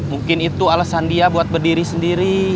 mungkin itu alasan dia buat berdiri sendiri